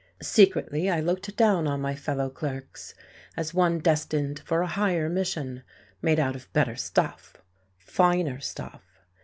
Secretly I looked down on my fellow clerks, as one destined for a higher mission, made out of better stuff, finer stuff.